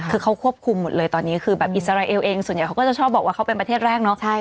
คือเขาควบคุมหมดเลยตอนนี้คือแบบอิสราเอลเองส่วนใหญ่เขาก็จะชอบบอกว่าเขาเป็นประเทศแรกเนาะ